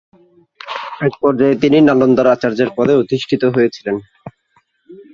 এক পর্যায়ে তিনি নালন্দার আচার্যের পদে অধিষ্ঠিত হয়েছিলেন।